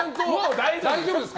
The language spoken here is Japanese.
大丈夫ですか？